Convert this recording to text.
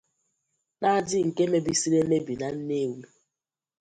na dị nke mebisiri emebi na Nnewi